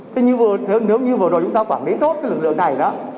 thế nhưng nếu như vừa rồi chúng ta quản lý tốt cái lực lượng này đó